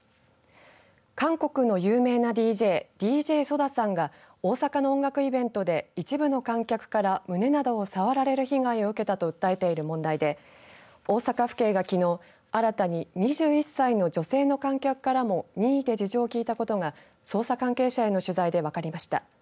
韓国の有名なＤＪＤＪＳＯＤＡさんが大阪の音楽イベントで一部の観客から胸などを触られる被害を受けたと訴えている問題で大阪府警がきのう新たに２１歳の女性の観客からも任意で事情を聴いたことが捜査関係者への取材で分かりました。